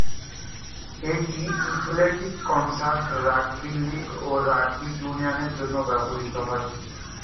এটি athletics, concert, rugby league এবং rugby ইউনিয়নের জন্যও ব্যবহৃত হয়।